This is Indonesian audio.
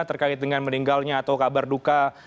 terkait dengan meninggalnya atau kabar duka